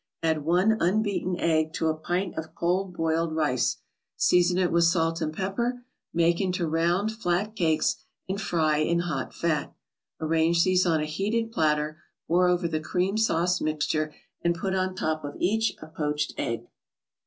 Add one unbeaten egg to a pint of cold boiled rice, season it with salt and pepper, make into round, flat cakes, and fry in hot fat. Arrange these on a heated platter, pour over the cream sauce mixture, and put on top of each a poached egg.